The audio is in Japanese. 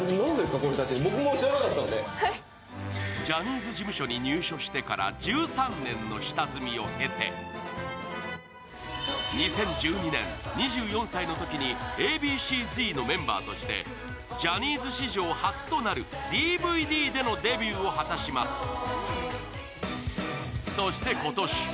ジャニーズ事務所に入所してから１３年の下積みを経て、２０１２年、２４歳のときにＡ．Ｂ．Ｃ−Ｚのメンバーとしてジャニーズ史上初となるＤＶＤでのデビューを果たします。